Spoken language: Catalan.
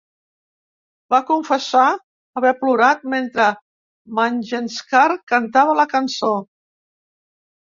Va confessar haver plorat mentre Mangeshkar cantava la cançó.